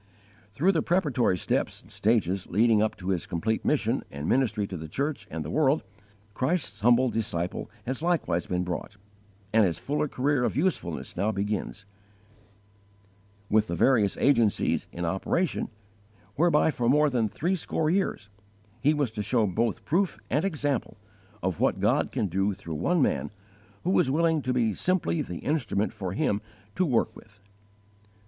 Through the preparatory steps and stages leading up to his complete mission and ministry to the church and the world, Christ's humble disciple has likewise been brought, and his fuller career of usefulness now begins, with the various agencies in operation whereby for more than threescore years he was to show both proof and example of what God can do through one man who is willing to be simply the instrument for Him to work with.